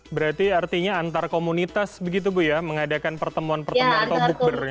berarti artinya antar komunitas begitu ya mengadakan pertemuan pertemuan atau bukbernya